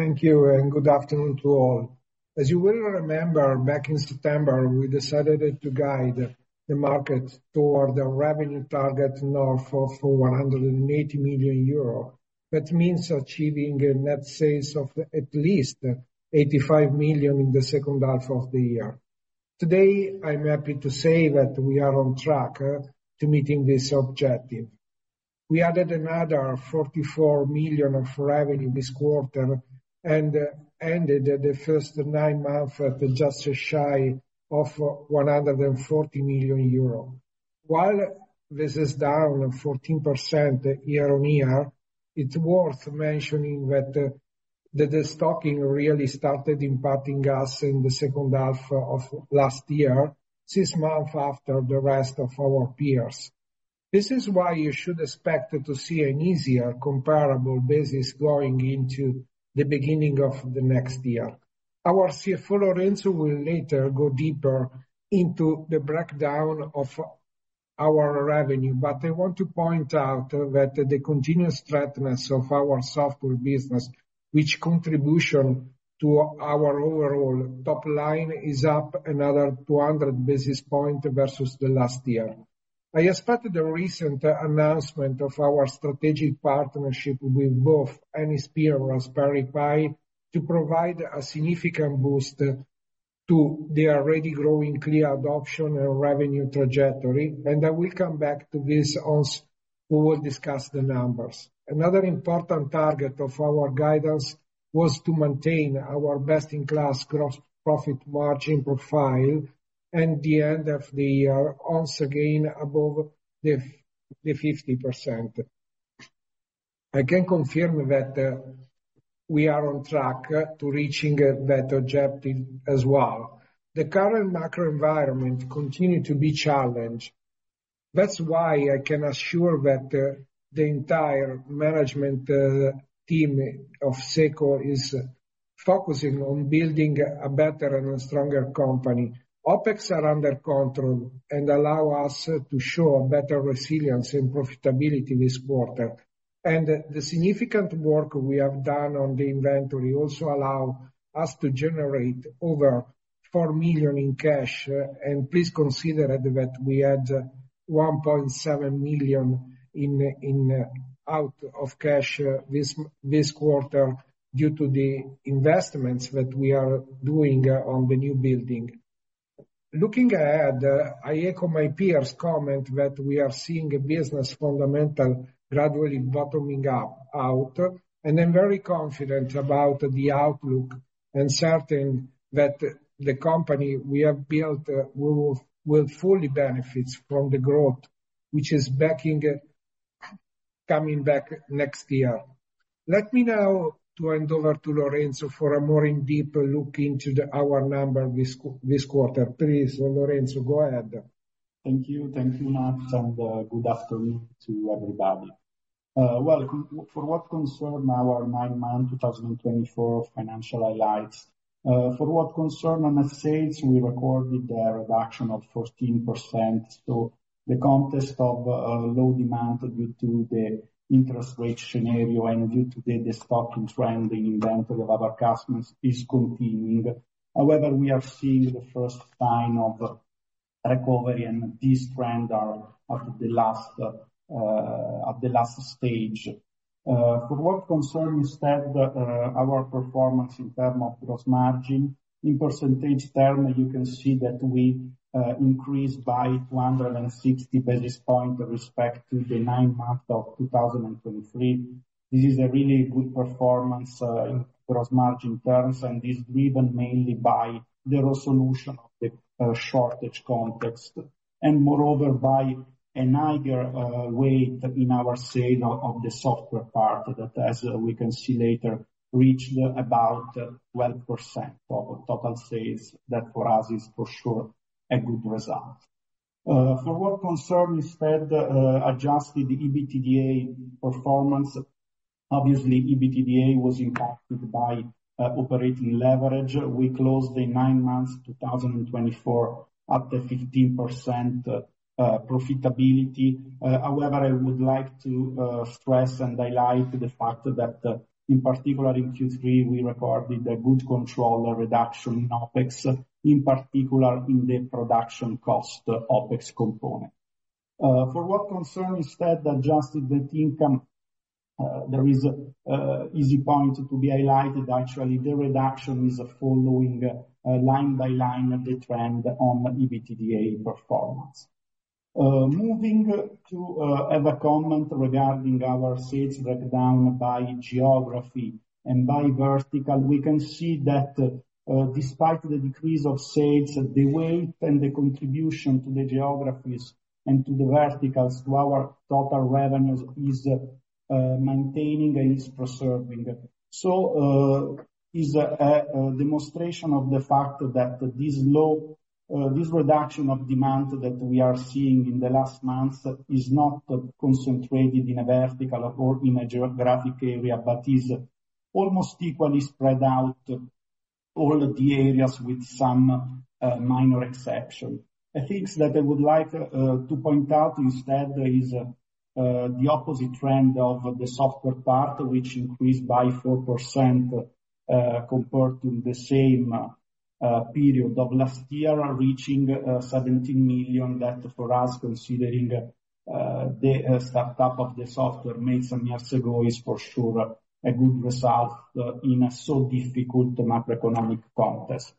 Thank you, and good afternoon to all. As you will remember, back in September, we decided to guide the market toward a revenue target north of 180 million euro. That means achieving a net sales of at least 85 million in the second half of the year. Today, I'm happy to say that we are on track to meeting this objective. We added another 44 million of revenue this quarter and ended the first nine months at just shy of 140 million euro. While this is down 14% year on year, it's worth mentioning that the stocking really started impacting us in the second half of last year, six months after the rest of our peers. This is why you should expect to see an easier, comparable business going into the beginning of the next year. Our CFO, Lorenzo, will later go deeper into the breakdown of our revenue, but I want to point out that the continuous strength of our software business, which contributes to our overall top line, is up another 200 basis points versus the last year. I expect the recent announcement of our strategic partnership with both NXP and Raspberry Pi to provide a significant boost to their already growing CLEA adoption and revenue trajectory, and I will come back to this once we will discuss the numbers. Another important target of our guidance was to maintain our best-in-class gross profit margin profile at the end of the year, once again above 50%. I can confirm that we are on track to reaching that objective as well. The current macro environment continues to be challenged. That's why I can assure that the entire management team of SECO is focusing on building a better and stronger company. OPEX are under control and allow us to show better resilience and profitability this quarter. And the significant work we have done on the inventory also allowed us to generate over 4 million in cash. And please consider that we had 1.7 million outflow of cash this quarter due to the investments that we are doing on the new building. Looking ahead, I echo my peers' comment that we are seeing business fundamentals gradually bottoming out, and I'm very confident about the outlook and certain that the company we have built will fully benefit from the growth, which is back and coming back next year. Let me now hand over to Lorenzo for a more in-depth look into our numbers this quarter. Please, Lorenzo, go ahead. Thank you. Thank you, Massimo, and good afternoon to everybody. For what concerns our nine months 2024 financial highlights, for what concerns on the sales, we recorded a reduction of 14%. The context of low demand due to the interest rate scenario and due to the stocking trend in inventory of our customers is continuing. However, we are seeing the first sign of recovery, and this trend is at the last stage. For what concerns instead our performance in terms of gross margin, in percentage terms, you can see that we increased by 260 basis points with respect to the nine months of 2023. This is a really good performance in gross margin terms, and it's driven mainly by the resolution of the shortage context and, moreover, by a greater weight in our sale of the software part that, as we can see later, reached about 12% of total sales. That for us is for sure a good result. For what concerns instead adjusted EBITDA performance, obviously EBITDA was impacted by operating leverage. We closed the nine months 2024 at a 15% profitability. However, I would like to stress and highlight the fact that, in particular, in Q3, we recorded a good, controlled reduction in OPEX, in particular in the production cost OPEX component. For what concerns instead adjusted net income, there is an easy point to be highlighted. Actually, the reduction is following line by line the trend on EBITDA performance. Moving to have a comment regarding our sales breakdown by geography and by vertical, we can see that despite the decrease of sales, the weight and the contribution to the geographies and to the verticals to our total revenues is maintaining and is preserving, so it's a demonstration of the fact that this reduction of demand that we are seeing in the last months is not concentrated in a vertical or in a geographic area, but is almost equally spread out all the areas with some minor exceptions. A thing that I would like to point out instead is the opposite trend of the software part, which increased by 4% compared to the same period of last year, reaching 17 million. That for us, considering the startup of the software made some years ago, is for sure a good result in a so difficult macroeconomic context.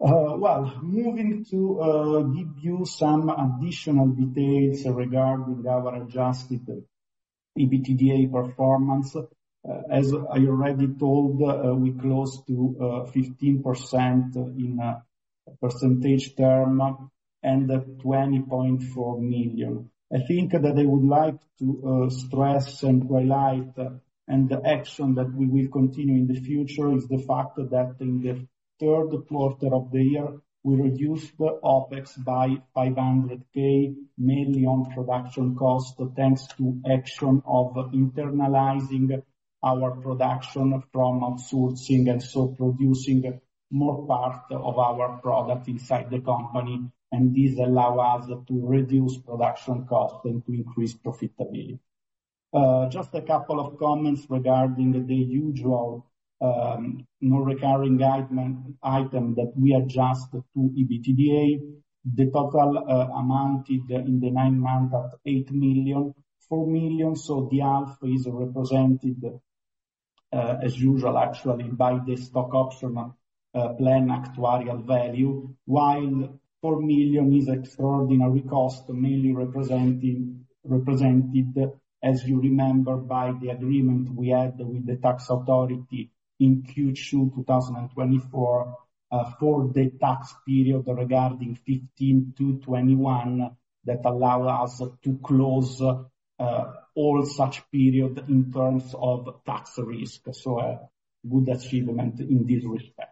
Moving to give you some additional details regarding our adjusted EBITDA performance. As I already told, we closed to 15% in percentage terms and 20.4 million. A thing that I would like to stress and highlight and the action that we will continue in the future is the fact that in the Q3 of the year, we reduced OPEX by 500,000 mainly on production cost thanks to action of internalizing our production from outsourcing and so producing more part of our product inside the company, and this allows us to reduce production cost and to increase profitability. Just a couple of comments regarding the usual recurring item that we adjust to EBITDA. The total amounted in the nine months at 8 million, 4 million. The half is represented, as usual, actually, by the stock option plan actuarial value, while 4 million is extraordinary cost mainly represented, as you remember, by the agreement we had with the tax authority in Q2 2024 for the tax period regarding 2015 to 2021 that allowed us to close all such periods in terms of tax risk. A good achievement in this respect.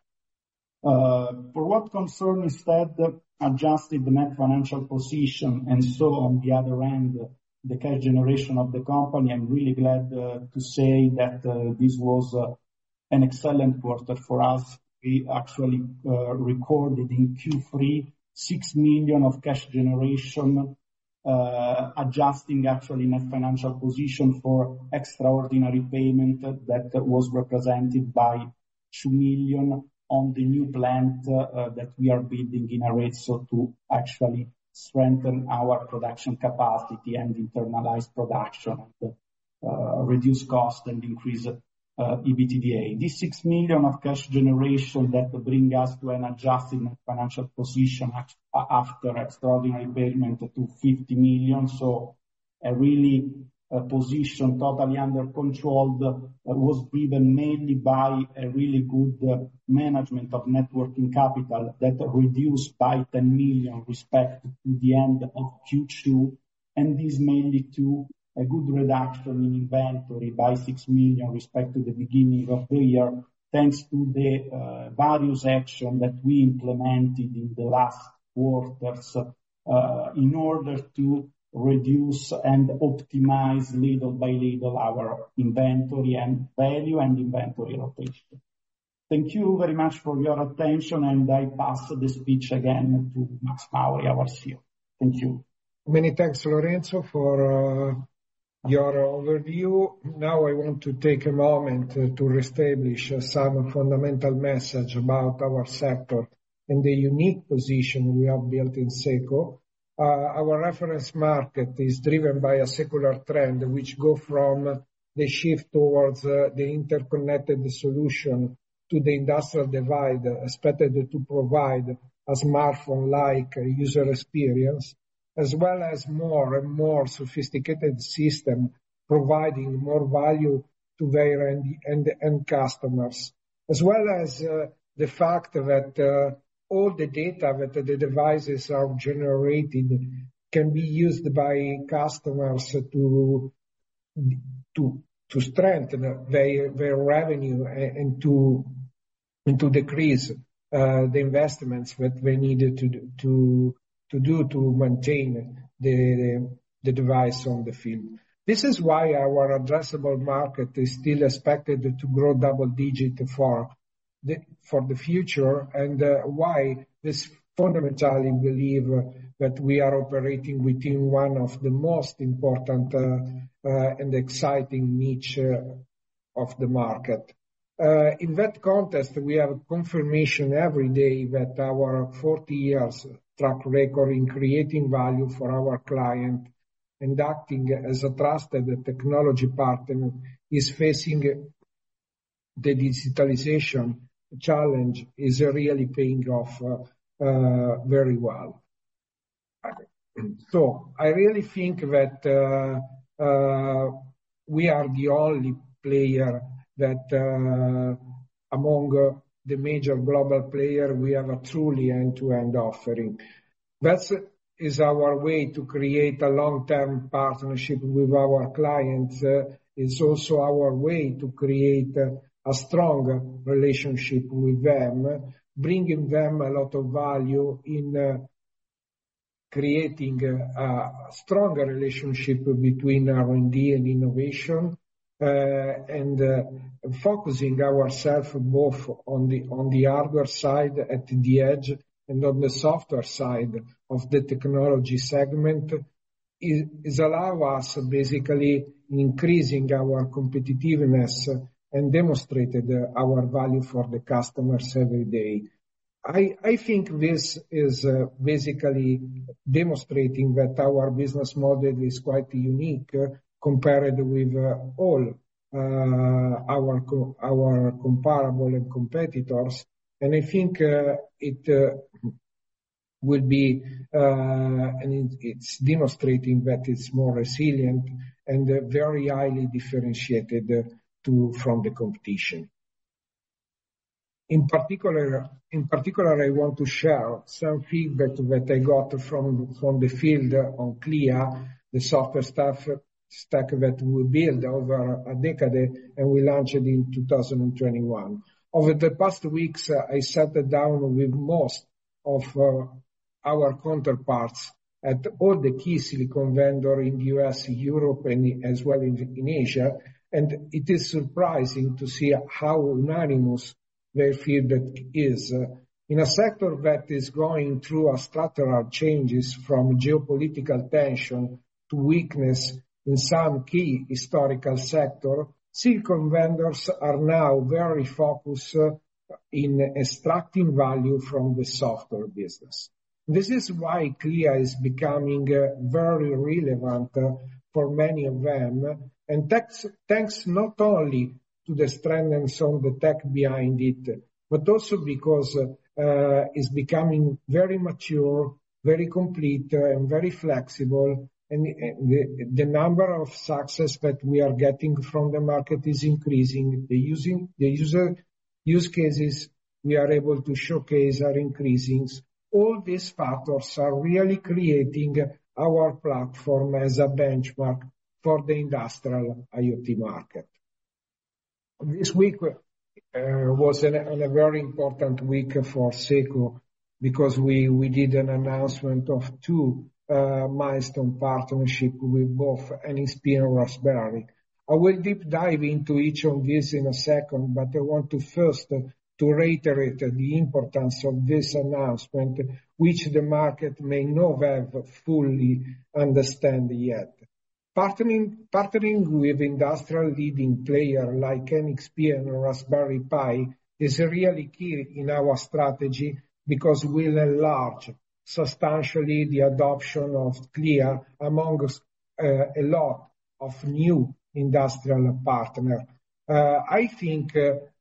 For what concerns instead adjusted net financial position and so on the other end, the cash generation of the company. I'm really glad to say that this was an excellent quarter for us. We actually recorded in Q3 6 million of cash generation, adjusting actually net financial position for extraordinary payment that was represented by 2 million on the new plant that we are building in Arezzo to actually strengthen our production capacity and internalize production, reduce cost, and increase EBITDA. This 6 million of cash generation that brings us to an adjusted net financial position after extraordinary payment to 50 million. So a really good position totally under control was driven mainly by a really good management of working capital that reduced by 10 million with respect to the end of Q2. And this mainly due to a good reduction in inventory by 6 million with respect to the beginning of the year thanks to the various actions that we implemented in the last quarters in order to reduce and optimize little by little our inventory value and inventory rotation. Thank you very much for your attention, and I pass the speech again to Massimo Mauri, our CEO. Thank you. Many thanks, Lorenzo, for your overview. Now I want to take a moment to establish some fundamental message about our sector and the unique position we have built in SECO. Our reference market is driven by a secular trend, which goes from the shift towards the interconnected solution to the industrial divide expected to provide a smartphone-like user experience, as well as more and more sophisticated systems providing more value to their end customers, as well as the fact that all the data that the devices are generating can be used by customers to strengthen their revenue and to decrease the investments that they need to do to maintain the device on the field. This is why our addressable market is still expected to grow double-digit for the future and why this fundamentally believes that we are operating within one of the most important and exciting niches of the market. In that context, we have confirmation every day that our 40-year track record in creating value for our client and acting as a trusted technology partner is facing the digitalization challenge is really paying off very well. So I really think that we are the only player that, among the major global players, we have a truly end-to-end offering. That is our way to create a long-term partnership with our clients. It's also our way to create a strong relationship with them, bringing them a lot of value in creating a stronger relationship between R&D and innovation. Focusing ourselves both on the hardware side at the edge and on the software side of the technology segment is allowing us basically increasing our competitiveness and demonstrating our value for the customers every day. I think this is basically demonstrating that our business model is quite unique compared with all our comparable competitors. I think it will be and it's demonstrating that it's more resilient and very highly differentiated from the competition. In particular, I want to share some feedback that I got from the field on CLEA, the software stack that we built over a decade and we launched in 2021. Over the past weeks, I sat down with most of our counterparts at all the key silicon vendors in the U.S., Europe, and as well in Asia. It is surprising to see how unanimous their feedback is. In a sector that is going through structural changes from geopolitical tension to weakness in some key historical sector, silicon vendors are now very focused in extracting value from the software business. This is why CLEA is becoming very relevant for many of them. And thanks not only to the strength and some of the tech behind it, but also because it's becoming very mature, very complete, and very flexible. And the number of successes that we are getting from the market is increasing. The use cases we are able to showcase are increasing. All these factors are really creating our platform as a benchmark for the industrial IoT market. This week was a very important week for SECO because we did an announcement of two milestone partnerships with both NXP and Raspberry Pi. I will deep dive into each of these in a second, but I want to first reiterate the importance of this announcement, which the market may not have fully understood yet. Partnering with industrial leading players like NXP and Raspberry Pi is really key in our strategy because we'll enlarge substantially the adoption of CLEA among a lot of new industrial partners. I think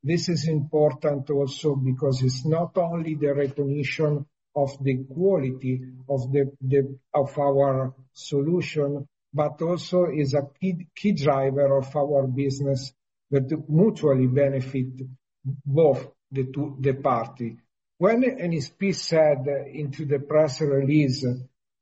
this is important also because it's not only the recognition of the quality of our solution, but also is a key driver of our business that mutually benefits both the party. When NXP said into the press release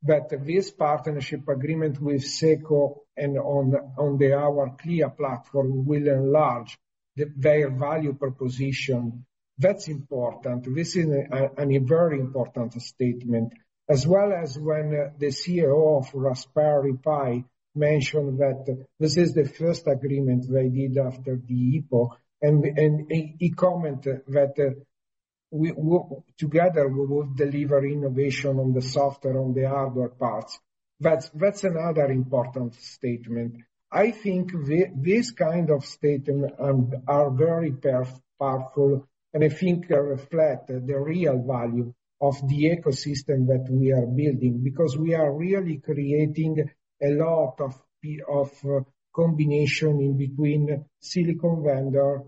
that this partnership agreement with SECO and on our CLEA platform will enlarge their value proposition, that's important. This is a very important statement. As well as when the CEO of Raspberry Pi mentioned that this is the first agreement they did after the IPO, and he commented that together we will deliver innovation on the software, on the hardware parts. That's another important statement. I think these kinds of statements are very powerful, and I think reflect the real value of the ecosystem that we are building because we are really creating a lot of combinations in between silicon vendor,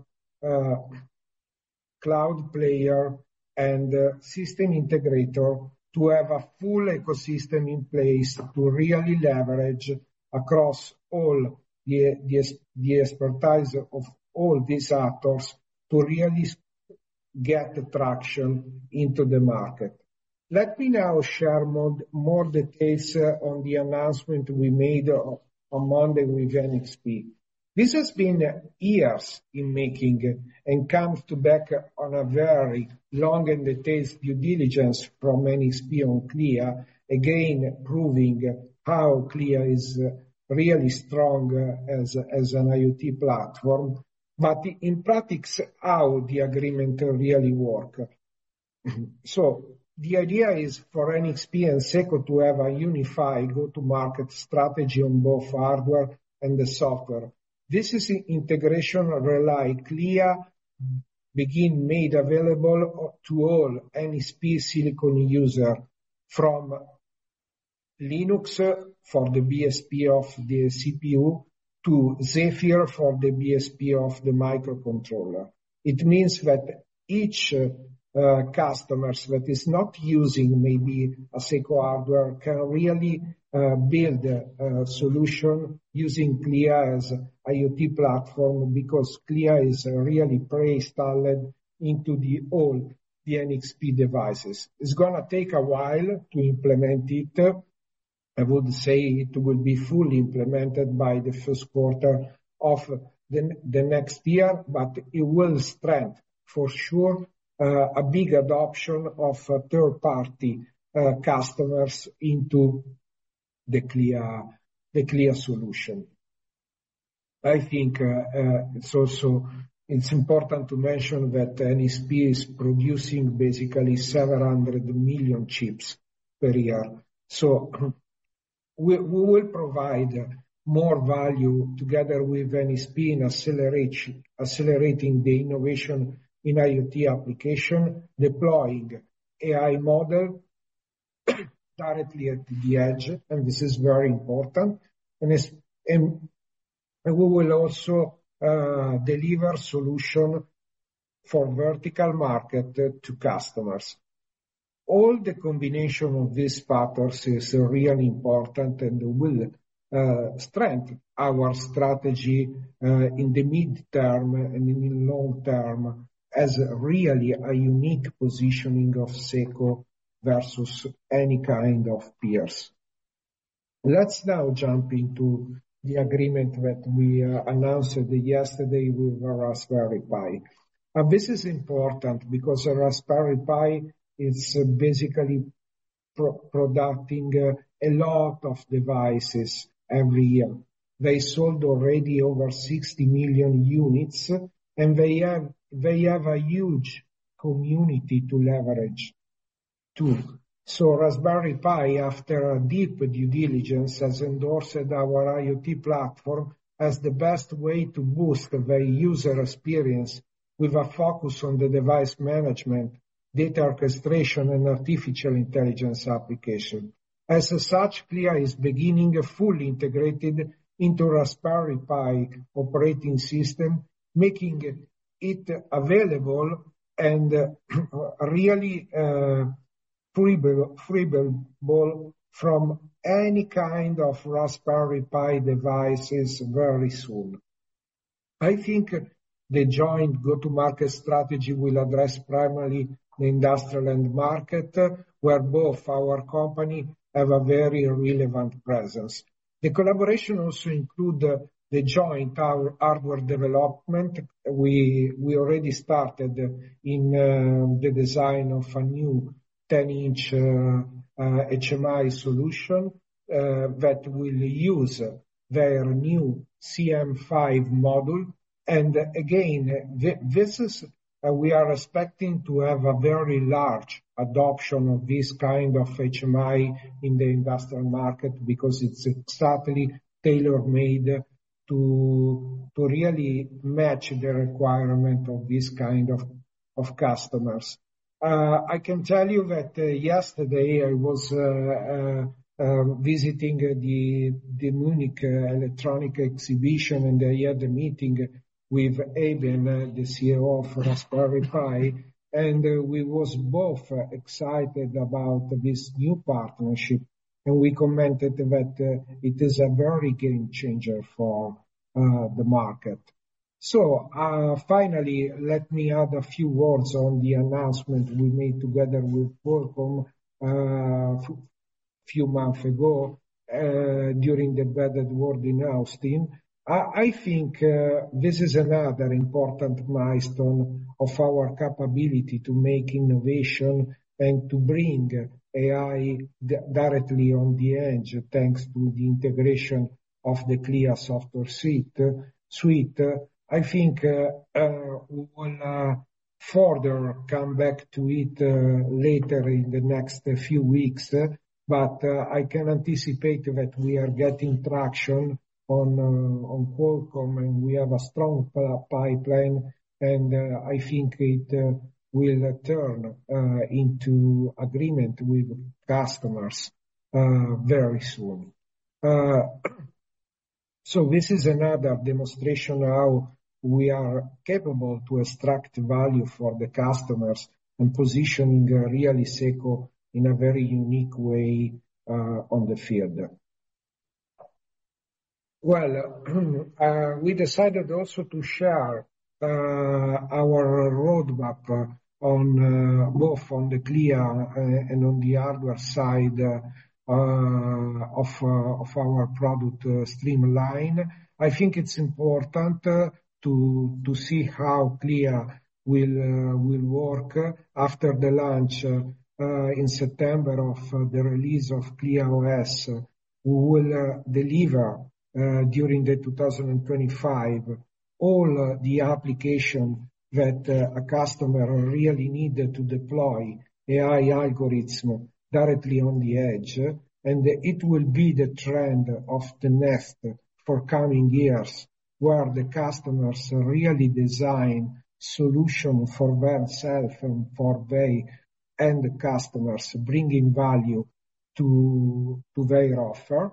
cloud player, and system integrator to have a full ecosystem in place to really leverage across all the expertise of all these actors to really get traction into the market. Let me now share more details on the announcement we made on Monday with NXP. This has been years in the making and comes back to a very long and detailed due diligence from NXP on CLEA, again proving how CLEA is really strong as an IoT platform, but in practice, how the agreement really works. The idea is for NXP and SECO to have a unified go-to-market strategy on both hardware and the software. This integration relies on CLEA being made available to all NXP silicon users from Linux for the BSP of the CPU to Zephyr for the BSP of the microcontroller. It means that each customer that is not using maybe a SECO hardware can really build a solution using CLEA as an IoT platform because CLEA is really pre-installed into all the NXP devices. It's going to take a while to implement it. I would say it will be fully implemented by the Q1 of the next year, but it will strengthen for sure a big adoption of third-party customers into the CLEA solution. I think it's also important to mention that NXP is producing basically 700 million chips per year. So we will provide more value together with NXP in accelerating the innovation in IoT application, deploying AI model directly at the edge, and this is very important. We will also deliver solutions for vertical market to customers. All the combination of these factors is really important and will strengthen our strategy in the midterm and in the long term as really a unique positioning of SECO versus any kind of peers. Let's now jump into the agreement that we announced yesterday with Raspberry Pi. This is important because Raspberry Pi is basically producing a lot of devices every year. They sold already over 60 million units, and they have a huge community to leverage too. Raspberry Pi, after a deep due diligence, has endorsed our IoT platform as the best way to boost the user experience with a focus on the device management, data orchestration, and artificial intelligence application. As such, CLEA is being fully integrated into Raspberry Pi operating system, making it available and really feasible for any kind of Raspberry Pi devices very soon. I think the joint go-to-market strategy will address primarily the industrial end market where both our companies have a very relevant presence. The collaboration also includes the joint hardware development. We already started in the design of a new 10-inch HMI solution that will use their new CM5 module. We are expecting to have a very large adoption of this kind of HMI in the industrial market because it's exactly tailor-made to really match the requirement of this kind of customers. I can tell you that yesterday I was visiting the Electronica in Munich, and I had a meeting with Eben, the CEO of Raspberry Pi, and we were both excited about this new partnership, and we commented that it is a very game-changer for the market. Finally, let me add a few words on the announcement we made together with Qualcomm a few months ago during the Embedded World in Austin. I think this is another important milestone of our capability to make innovation and to bring AI directly on the edge thanks to the integration of the CLEA software suite. I think we will further come back to it later in the next few weeks, but I can anticipate that we are getting traction on Qualcomm, and we have a strong pipeline, and I think it will turn into agreement with customers very soon. So this is another demonstration of how we are capable to extract value for the customers and positioning really Seco in a very unique way on the field. We decided also to share our roadmap both on the CLEA and on the hardware side of our product streamline. I think it's important to see how CLEA will work after the launch in September of the release of CLEA OS. We will deliver during 2025 all the applications that a customer really needs to deploy AI algorithms directly on the edge, and it will be the trend of the next for coming years where the customers really design solutions for themselves and for their end customers, bringing value to their offer.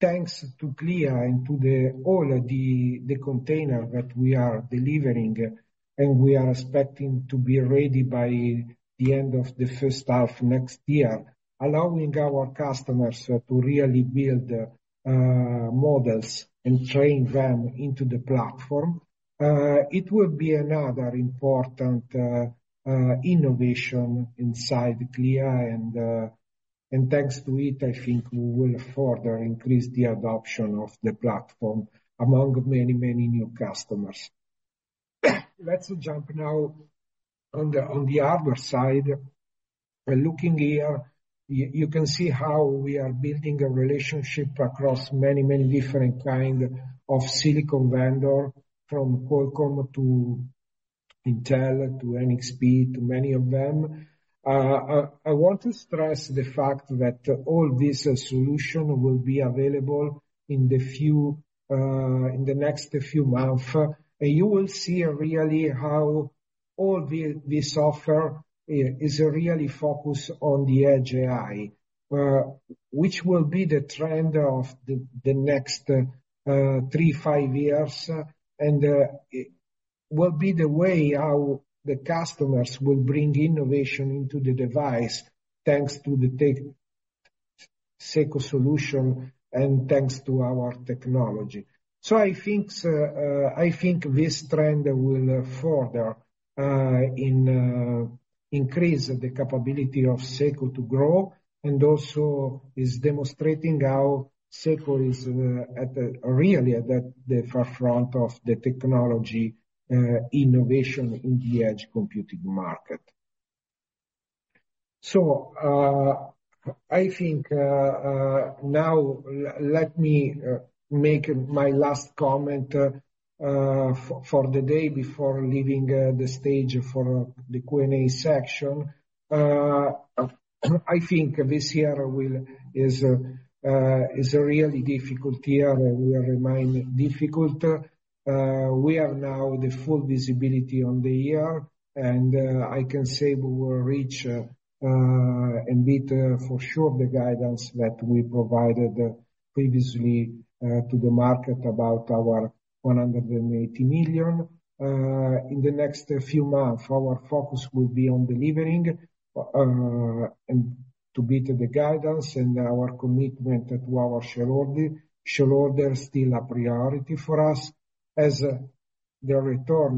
Thanks to CLEA and to all the containers that we are delivering, and we are expecting to be ready by the end of the first half of next year, allowing our customers to really build models and train them into the platform. It will be another important innovation inside CLEA, and thanks to it, I think we will further increase the adoption of the platform among many, many new customers. Let's jump now on the hardware side. Looking here, you can see how we are building a relationship across many, many different kinds of silicon vendors from Qualcomm to Intel to NXP to many of them. I want to stress the fact that all this solution will be available in the next few months, and you will see really how all this offer is really focused on the edge AI, which will be the trend of the next three, five years, and will be the way how the customers will bring innovation into the device thanks to the Seco solution and thanks to our technology. I think this trend will further increase the capability of Seco to grow and also is demonstrating how Seco is really at the forefront of the technology innovation in the edge computing market. So, I think now let me make my last comment for the day before leaving the stage for the Q&A section. I think this year is a really difficult year. We are remaining difficult. We are now the full visibility on the year, and I can say we will reach a bit for sure the guidance that we provided previously to the market about our 180 million. In the next few months, our focus will be on delivering and to beat the guidance and our commitment to our shareholders still a priority for us as the return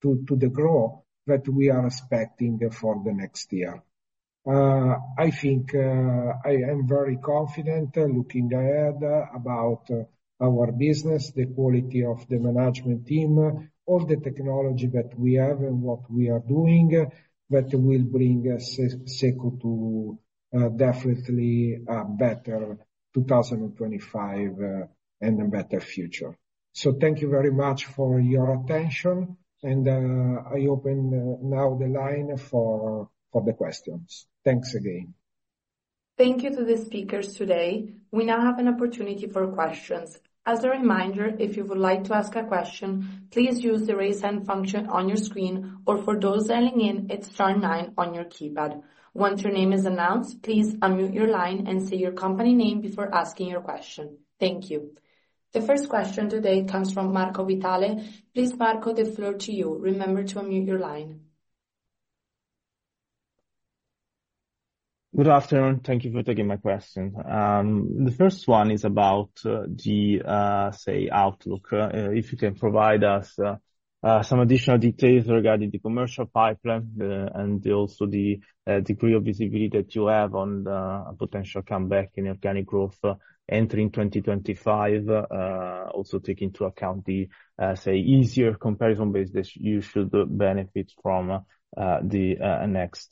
to the growth that we are expecting for the next year. I think I am very confident looking ahead about our business, the quality of the management team, all the technology that we have and what we are doing that will bring SECO to definitely a better 2025 and a better future. So thank you very much for your attention, and I open now the line for the questions. Thanks again. Thank you to the speakers today. We now have an opportunity for questions. As a reminder, if you would like to ask a question, please use the raise hand function on your screen or for those dialing in, it's star nine on your keypad. Once your name is announced, please unmute your line and say your company name before asking your question. Thank you. The first question today comes from Marco Vitale. Please, Marco, the floor to you. Remember to unmute your line. Good afternoon. Thank you for taking my question. The first one is about the, say, outlook. If you can provide us some additional details regarding the commercial pipeline and also the degree of visibility that you have on a potential comeback in organic growth entering 2025, also taking into account the, say, easier comparison basis that you should benefit from the next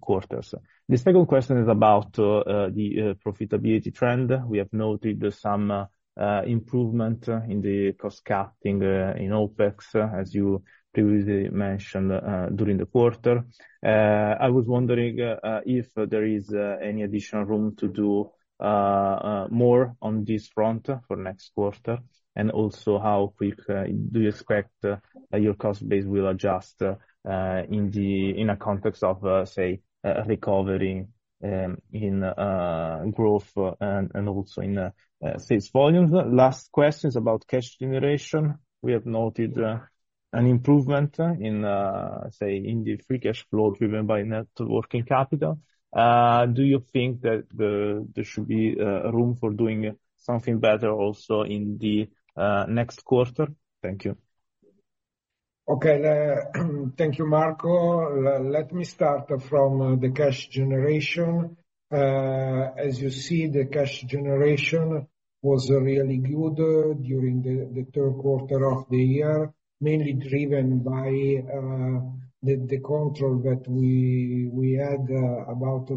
quarters? The second question is about the profitability trend. We have noted some improvement in the cost cutting in OPEX, as you previously mentioned during the quarter. I was wondering if there is any additional room to do more on this front for next quarter and also how quick do you expect your cost base will adjust in the context of, say, recovery in growth and also in sales volumes? Last question is about cash generation. We have noted an improvement in, say, the free cash flow driven by networking capital. Do you think that there should be room for doing something better also in the next quarter? Thank you. Okay. Thank you, Marco. Let me start from the cash generation. As you see, the cash generation was really good during the Q3 of the year, mainly driven by the control that we had about the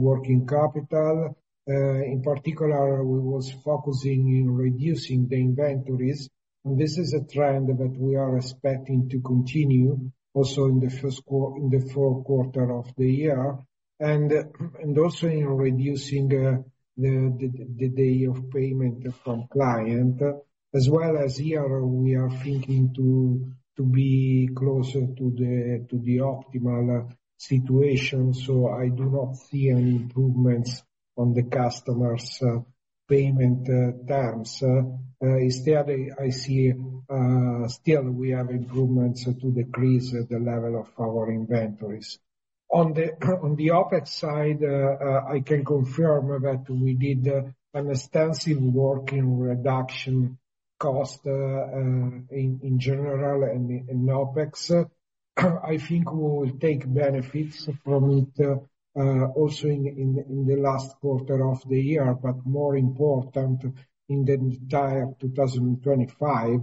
working capital. In particular, we were focusing on reducing the inventories, and this is a trend that we are expecting to continue also in the Q4 of the year and also in reducing the days of payment from clients, as well as here we are thinking to be closer to the optimal situation. So I do not see any improvements on the customers' payment terms. Instead, I see still we have improvements to decrease the level of our inventories. On the OPEX side, I can confirm that we did an extensive work in reduction cost in general and in OPEX. I think we will take benefits from it also in the last quarter of the year, but more important in the entire 2025.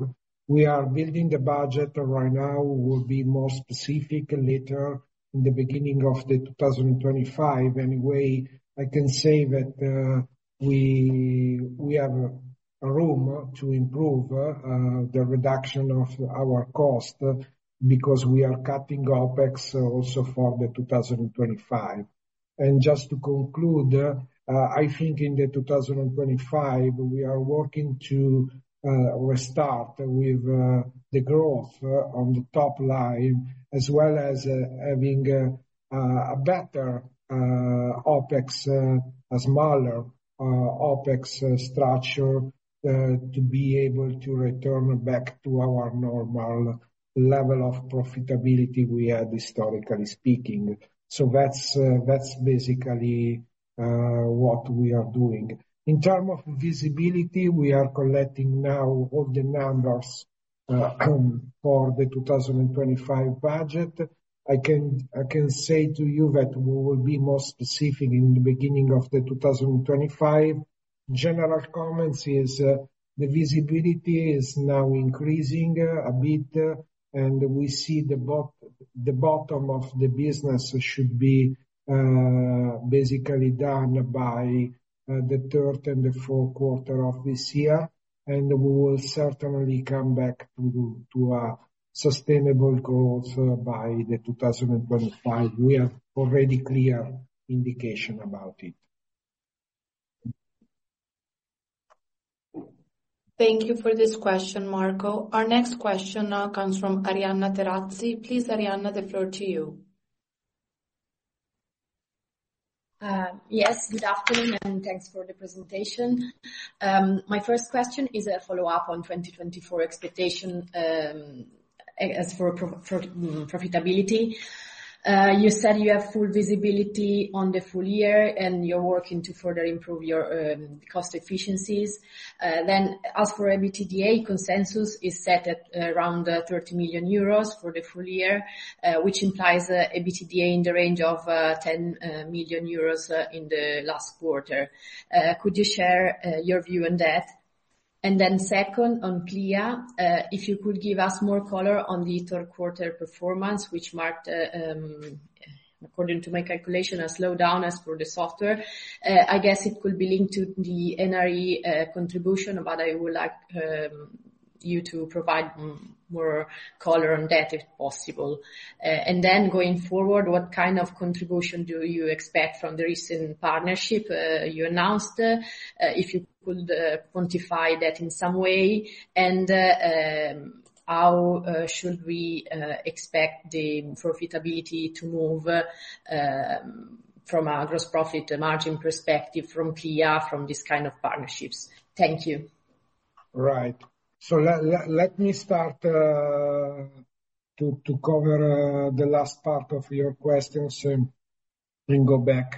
We are building the budget right now. We'll be more specific later in the beginning of the 2025. Anyway, I can say that we have room to improve the reduction of our cost because we are cutting OPEX also for the 2025. And just to conclude, I think in the 2025, we are working to restart with the growth on the top line as well as having a better OPEX, a smaller OPEX structure to be able to return back to our normal level of profitability we had historically speaking. So that's basically what we are doing. In terms of visibility, we are collecting now all the numbers for the 2025 budget. I can say to you that we will be more specific in the beginning of the 2025. General comments is the visibility is now increasing a bit, and we see the bottom of the business should be basically done by the third and the Q4 of this year, and we will certainly come back to a sustainable growth by the 2025. We have already clear indication about it. Thank you for this question, Marco. Our next question now comes from Arianna Terazzi. Please, Arianna, the floor to you. Yes. Good afternoon and thanks for the presentation. My first question is a follow-up on 2024 expectation as for profitability. You said you have full visibility on the full year and you're working to further improve your cost efficiencies. As for EBITDA, consensus is set at around 30 million euros for the full year, which implies EBITDA in the range of 10 million euros in the last quarter. Could you share your view on that? Second on CLEA, if you could give us more color on the Q3 performance, which marked, according to my calculation, a slowdown as for the software, I guess it could be linked to the NRE contribution, but I would like you to provide more color on that if possible. Going forward, what kind of contribution do you expect from the recent partnership you announced? If you could quantify that in some way, and how should we expect the profitability to move from a gross profit margin perspective from CLEA, from these kinds of partnerships? Thank you. Right. So let me start to cover the last part of your questions and go back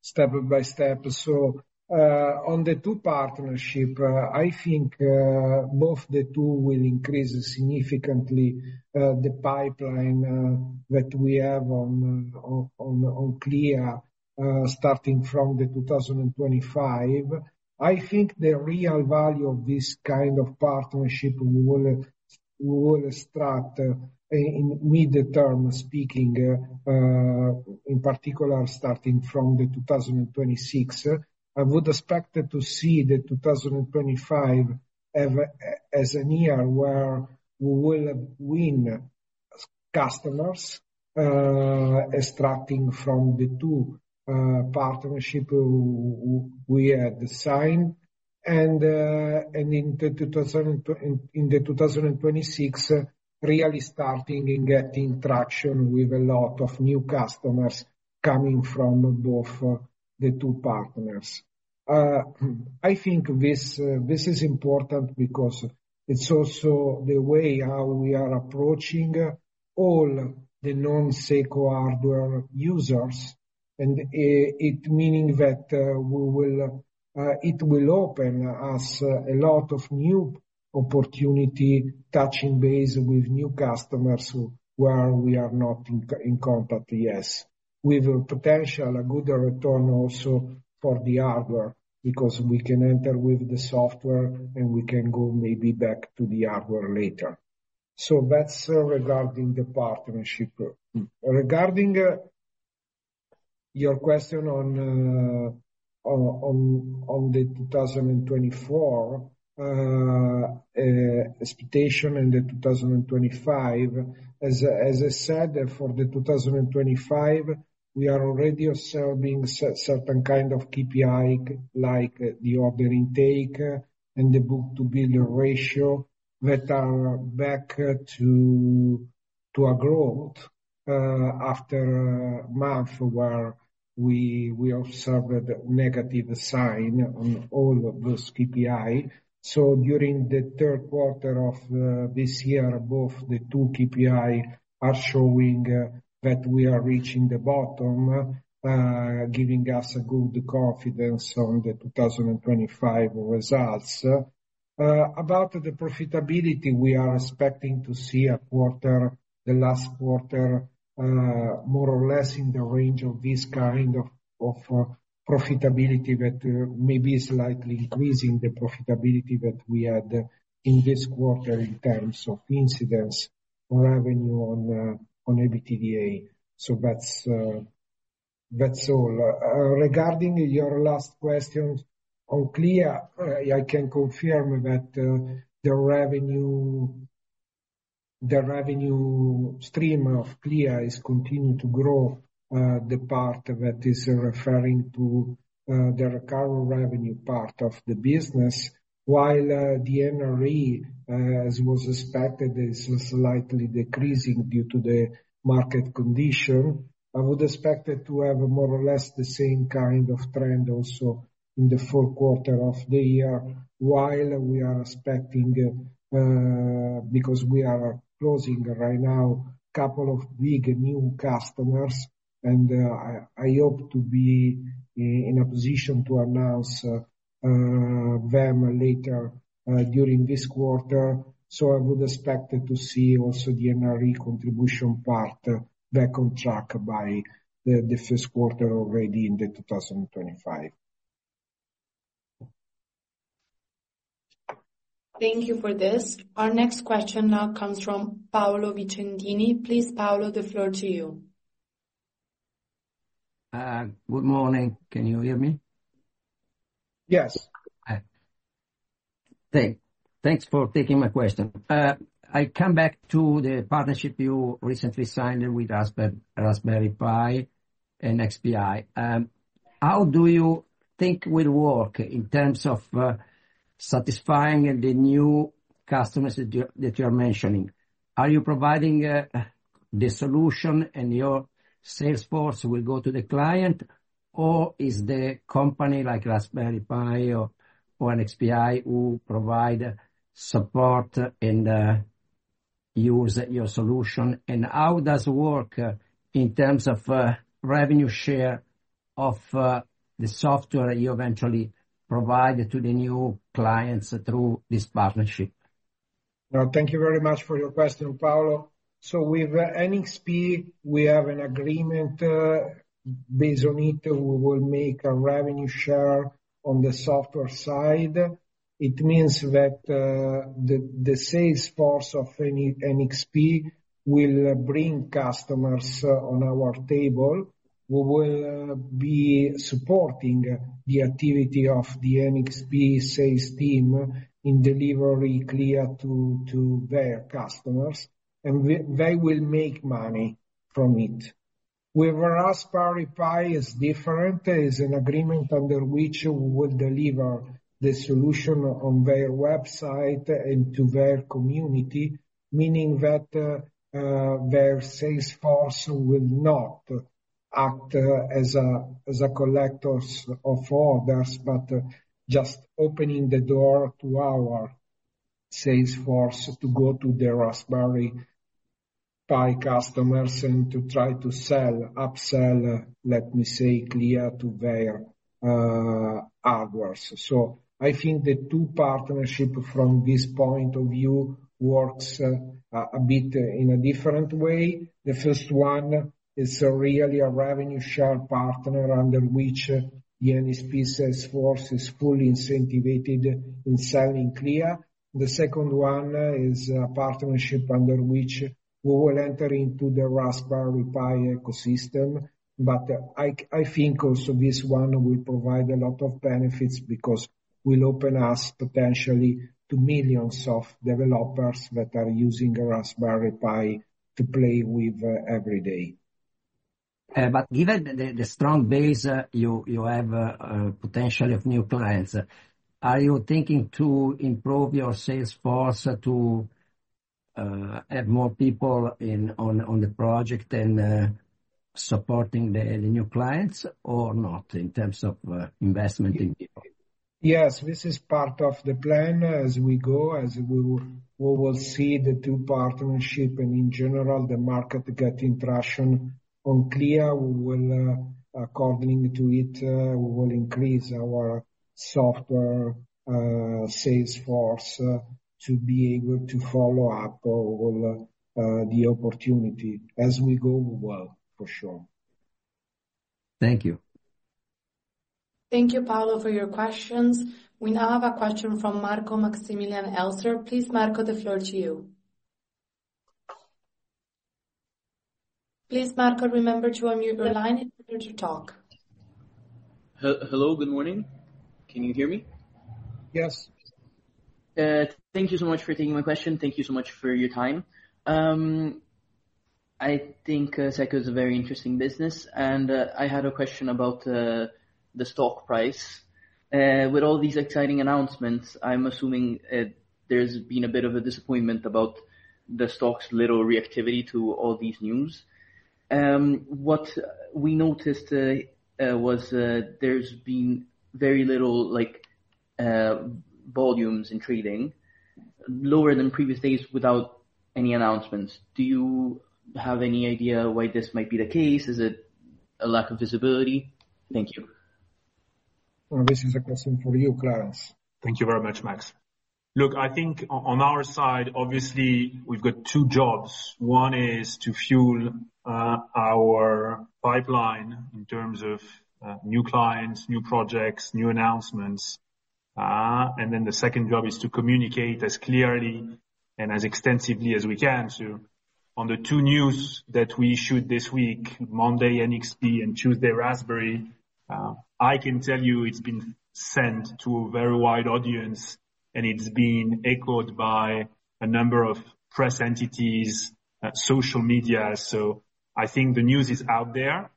step by step. So on the two partnerships, I think both the two will increase significantly the pipeline that we have on CLEA starting from the 2025. I think the real value of this kind of partnership will start, in the midterm speaking, in particular starting from the 2026. I would expect to see the 2025 as a year where we will win customers extracting from the two partnerships we had signed. And in the 2026, really starting in getting traction with a lot of new customers coming from both the two partners. I think this is important because it's also the way how we are approaching all the non-SECO hardware users, and it meaning that it will open us a lot of new opportunity touching base with new customers where we are not in contact yet with a potential good return also for the hardware because we can enter with the software and we can go maybe back to the hardware later. So that's regarding the partnership. Regarding your question on the 2024 expectation and the 2025, as I said, for the 2025, we are already observing certain kinds of KPIs like the order intake and the book-to-bill ratio that are back to a growth after a month where we observed a negative sign on all of those KPIs. So during the Q3 of this year, both the two KPIs are showing that we are reaching the bottom, giving us good confidence on the 2025 results. About the profitability, we are expecting to see a quarter, the last quarter, more or less in the range of this kind of profitability that may be slightly increasing the profitability that we had in this quarter in terms of incidence revenue on EBITDA. So that's all. Regarding your last question on CLEA, I can confirm that the revenue stream of CLEA is continuing to grow, the part that is referring to the recurring revenue part of the business, while the NRE, as was expected, is slightly decreasing due to the market condition. I would expect it to have more or less the same kind of trend also in the Q4 of the year, while we are expecting, because we are closing right now, a couple of big new customers, and I hope to be in a position to announce them later during this quarter. So I would expect to see also the NRE contribution part back on track by the Q1 already in the 2025. Thank you for this. Our next question now comes from Paolo Vicentini. Please, Paolo, the floor to you. Good morning. Can you hear me? Yes. Thanks for taking my question. I come back to the partnership you recently signed with Raspberry Pi and NXP. How do you think we'll work in terms of satisfying the new customers that you are mentioning? Are you providing the solution and your salesforce will go to the client, or is the company like Raspberry Pi or an NXP who provide support and use your solution? And how does it work in terms of revenue share of the software you eventually provide to the new clients through this partnership? Well, thank you very much for your question, Paolo. So with any NXP, we have an agreement based on it. We will make a revenue share on the software side. It means that the salesforce of any NXP will bring customers on our table. We will be supporting the activity of the NXP sales team in delivering CLEA to their customers, and they will make money from it. With Raspberry Pi, it's different. It's an agreement under which we will deliver the solution on their website and to their community, meaning that their salesforce will not act as a collector of orders, but just opening the door to our salesforce to go to the Raspberry Pi customers and to try to sell, upsell, let me say, CLEA to their hardwares. So I think the two partnerships from this point of view work a bit in a different way. The first one is really a revenue share partner under which the NXP salesforce is fully incentivized in selling CLEA. The second one is a partnership under which we will enter into the Raspberry Pi ecosystem. But I think also this one will provide a lot of benefits because it will open us potentially to millions of developers that are using Raspberry Pi to play with every day. But given the strong base you have potentially of new clients, are you thinking to improve your salesforce to add more people on the project and supporting the new clients or not in terms of investment in people? Yes, this is part of the plan as we go. As we will see the two partnerships and in general the market get in traction on CLEA, according to it, we will increase our software salesforce to be able to follow up the opportunity as we go well, for sure. Thank you. Thank you, Paolo, for your questions. We now have a question from Marco Massimiliano Elser. Please, Marco, the floor to you. Please, Marco, remember to unmute your line in order to talk. Hello. Good morning. Can you hear me? Yes. Thank you so much for taking my question. Thank you so much for your time. I think SECO is a very interesting business, and I had a question about the stock price. With all these exciting announcements, I'm assuming there's been a bit of a disappointment about the stock's little reactivity to all these news. What we noticed was there's been very little volumes in trading, lower than previous days without any announcements. Do you have any idea why this might be the case? Is it a lack of visibility? Thank you. This is a question for you, Lorenz. Thank you very much, Massimo. Look, I think on our side, obviously, we've got two jobs. One is to fuel our pipeline in terms of new clients, new projects, new announcements. And then the second job is to communicate as clearly and as extensively as we can. So on the two news that we issued this week, Monday NXP and Tuesday Raspberry, I can tell you it's been sent to a very wide audience, and it's been echoed by a number of press entities, social media. So I think the news is out there.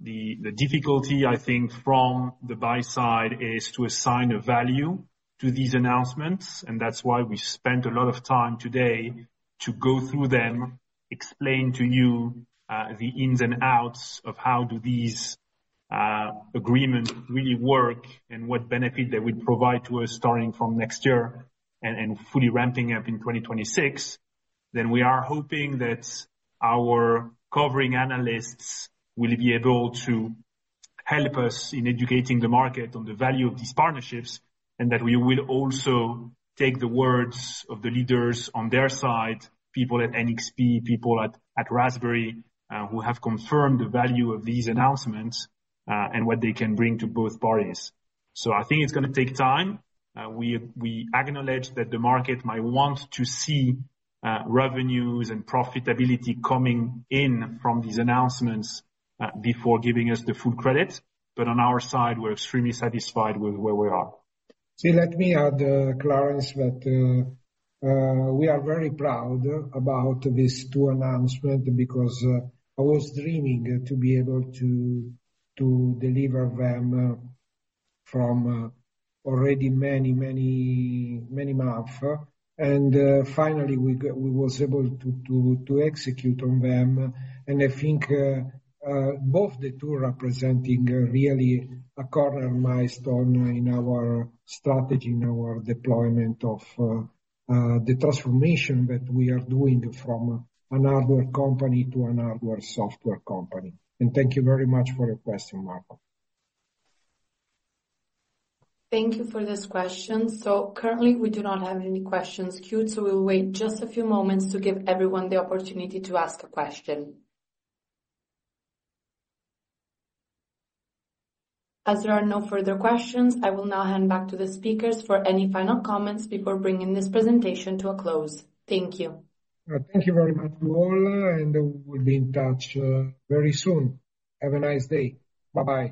The difficulty, I think, from the buy side is to assign a value to these announcements, and that's why we spent a lot of time today to go through them, explain to you the ins and outs of how do these agreements really work and what benefit they will provide to us starting from next year and fully ramping up in 2026. Then we are hoping that our covering analysts will be able to help us in educating the market on the value of these partnerships and that we will also take the words of the leaders on their side, people at NXP, people at Raspberry who have confirmed the value of these announcements and what they can bring to both parties. So I think it's going to take time. We acknowledge that the market might want to see revenues and profitability coming in from these announcements before giving us the full credit. But on our side, we're extremely satisfied with where we are. See, let me add, Lorenz, that we are very proud about these two announcements because I was dreaming to be able to deliver them from already many, many, many months. And finally, we were able to execute on them. I think both the two are representing really a corner milestone in our strategy, in our deployment of the transformation that we are doing from a hardware company to a hardware software company. Thank you very much for your question, Marco. Thank you for this question. Currently, we do not have any questions queued, so we'll wait just a few moments to give everyone the opportunity to ask a question. As there are no further questions, I will now hand back to the speakers for any final comments before bringing this presentation to a close. Thank you. Thank you very much to all, and we'll be in touch very soon. Have a nice day. Bye-bye.